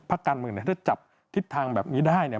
ภาคการเมืองเนี่ยถ้าจับทิศทางแบบนี้ได้